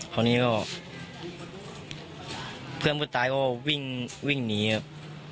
คราวนี้ก็เพื่อนผู้ตายก็วิ่งหนีครับ